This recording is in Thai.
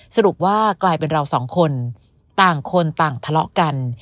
สรุปว่ากลายเป็นเราสองคนต่างคนต่างทะเลาะกัน